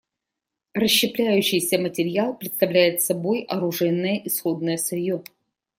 Расщепляющийся материал представляет собой оружейное исходное сырье.